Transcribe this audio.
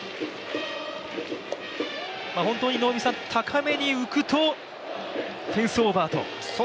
本当に高めに浮くとフェンスオーバーと。